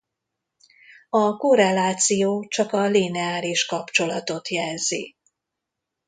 A korreláció csak a lineáris kapcsolatot jelzi.